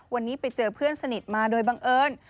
วันนี้ไปเจอเพื่อนสนิทมาโดยบังเอิญ